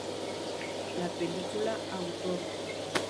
La película "Author!